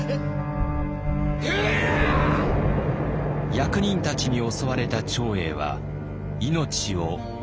役人たちに襲われた長英は命を落とします。